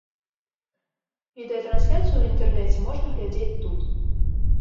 Відэатрансляцыю ў інтэрнэце можна глядзець тут.